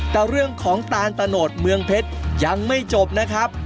แต่เรื่องของตานตะโนดเมืองเพชรยังไม่จบนะครับ